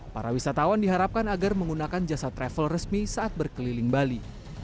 para wisatawan diharapkan agar menggunakan jasa travel resmi saat berkeliling bali